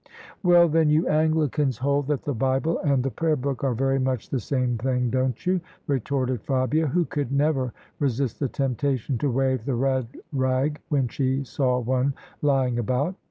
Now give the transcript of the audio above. " Well, then, you Anglicans hold that the Bible and the Prayer book are very much the same thing, don't you?" retorted Fabia, who could never resist the temptation to wave the red rag when she saw one lying about.